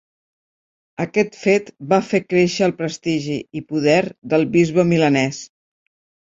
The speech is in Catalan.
Aquest fet va fer créixer el prestigi i poder del bisbe milanès.